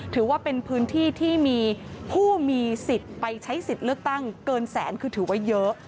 ถือว่าเป็นพื้นที่ที่มีผู้มีสิทธิ์ไปใช้สิทธิ์เลือกตั้งเกินแสนคือถือว่าเยอะ